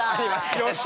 よし。